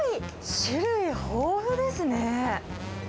種類豊富ですね。